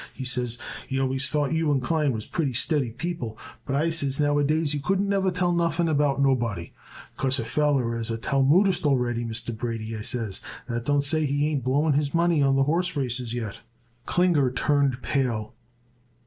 He says he always thought you and Klein was pretty steady people, but I says nowadays you couldn't never tell nothing about nobody. 'Because a feller is a talmudist already, Mr. Brady,' I says, 'that don't say he ain't blowing in his money on the horse races yet.'" Klinger turned pale.